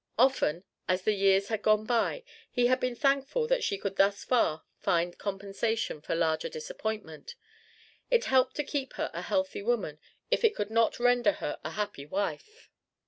Often as the years had gone by he had been thankful that she could thus far find compensation for larger disappointment; it helped to keep her a healthy woman if it could not render her a happy wife.